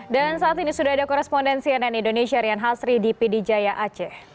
dan saat ini sudah ada korespondensi ann indonesia rian hasri di pdjaya aceh